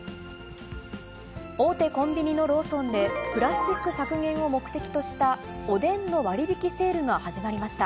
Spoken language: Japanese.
大手コンビニのローソンで、プラスチック削減を目的としたおでんの割引セールが始まりました。